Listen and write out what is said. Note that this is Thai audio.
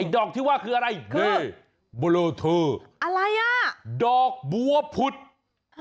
ดอกที่ว่าคืออะไรคือบลูเทอร์อะไรน่ะดอกบัวพุดว้าว